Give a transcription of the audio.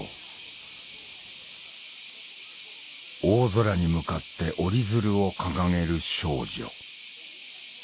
大空に向かって折り鶴を掲げる少女